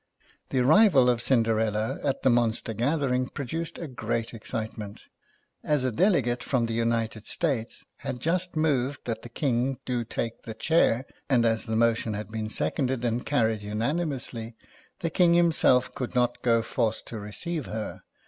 The arrival of Cinderella at the Monster Gathering produced a great excitement. As a delegate from the United States had just moved that the King do take the chair, and as the motion had been seconded and carried unanimously, the King himself could not go forth to receive her.